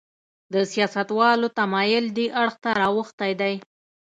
د سیاستوالو تمایل دې اړخ ته راوښتی دی.